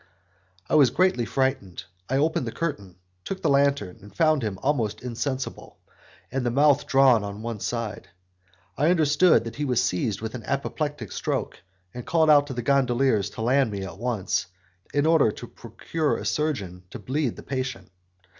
I was greatly frightened; I opened the curtain, took the lantern, and found him almost insensible, and the mouth drawn on one side. I understood that he was seized with an apoplectic stroke, and called out to the gondoliers to land me at once, in order to procure a surgeon to bleed the patient.